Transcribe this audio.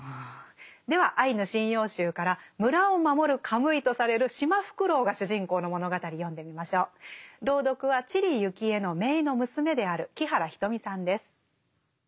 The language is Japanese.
では「アイヌ神謡集」から村を守るカムイとされるシマフクロウが主人公の物語読んでみましょう。朗読は知里幸恵の姪の娘である木原仁美さんです。